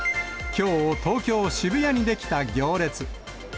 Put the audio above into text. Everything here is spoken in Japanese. きょう、東京・渋谷に出来た行列。